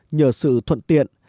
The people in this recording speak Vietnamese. nhờ sự thuận tiện